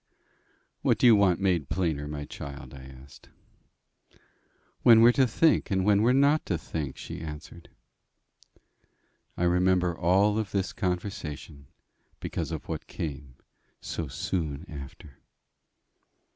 "What do you want made plainer, my child?" I asked. "When we're to think, and when we're not to think," she answered. I remember all of this conversation because of what came so soon after.